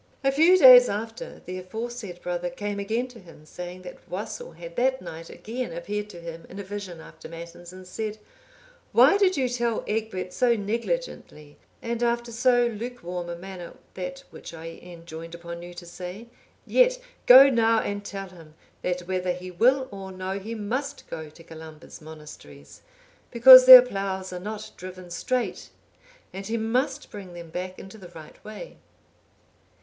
A few days after the aforesaid brother came again to him, saying that Boisil had that night again appeared to him in a vision after matins, and said, "Why did you tell Egbert so negligently and after so lukewarm a manner that which I enjoined upon you to say? Yet, go now and tell him, that whether he will or no, he must go to Columba's monasteries, because their ploughs are not driven straight; and he must bring them back into the right way."